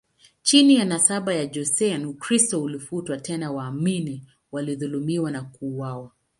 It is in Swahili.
Chini ya nasaba ya Joseon, Ukristo ulifutwa, tena waamini walidhulumiwa na kuuawa.